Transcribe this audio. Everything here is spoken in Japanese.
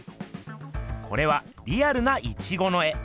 これはリアルなイチゴの絵。